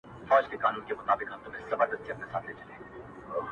o پلار چوپتيا کي عذاب وړي تل,